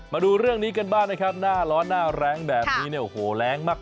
มาดูเรื่องนี้กันบ้างนะครับหน้าร้อนหน้าแรงแบบนี้เนี่ยโอ้โหแรงมาก